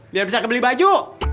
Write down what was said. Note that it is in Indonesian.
biar bisa kebeli baju